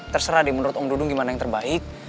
terserah deh menurut om dudung gimana yang terbaik